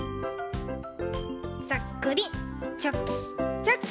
ざっくりチョキチョキ。